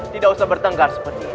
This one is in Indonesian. tidak usah bertenggar seperti ini